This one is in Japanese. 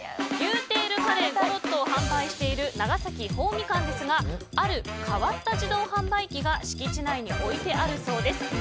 牛テールカレーＧｏｒｏｔｔｏを販売している長崎豊味館ですがある変わった自動販売機が敷地内に置いてあるそうです。